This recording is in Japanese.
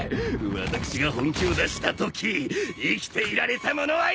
私が本気を出したとき生きていられた者はいない！